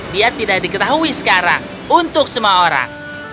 dia tidak diketahui sekarang untuk semua orang